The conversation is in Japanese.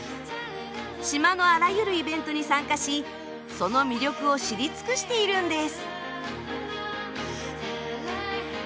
島のあらゆるイベントに参加しその魅力を知り尽くしているんです。